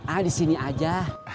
ah di sini aja